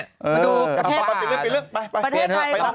เอาประมาณปิดลึกปีดลึก